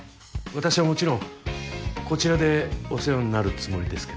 私はもちろんこちらでお世話になるつもりですけど。